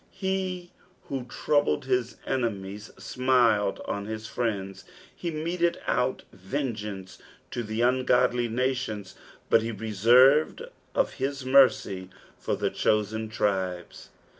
He who troubled his enemies smiled on his friends; he meted out vengeance to the ungodly nations, but he reserved of his mercy for tlie chosen tribes.